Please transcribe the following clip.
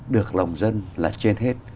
được lòng dân là trên hết